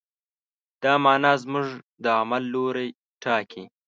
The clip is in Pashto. دا معنی زموږ د عمل لوری ټاکي.